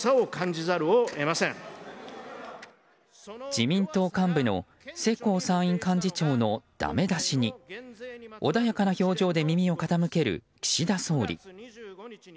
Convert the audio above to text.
自民党幹部の世耕参院幹事長のダメ出しに穏やかな表情で耳を傾ける岸田総理。